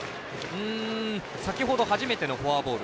先ほど、初めてのフォアボール。